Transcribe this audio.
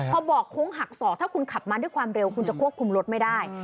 พอบอกโค้งหักศอกถ้าคุณขับมาด้วยความเร็วคุณจะควบคุมรถไม่ได้